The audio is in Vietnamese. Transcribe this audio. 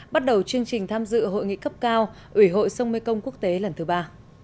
bắt đầu chương trình tham dự hội nghị cấp cao ủy hội sông mê công quốc tế lần thứ ba